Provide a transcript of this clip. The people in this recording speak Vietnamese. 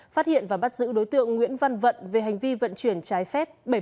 phát hiện và bắt giữ đối tượng nguyễn văn vận về hành vi vận chuyển trái phép